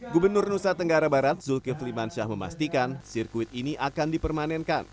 gubernur nusa tenggara barat zulkifli mansyah memastikan sirkuit ini akan dipermanenkan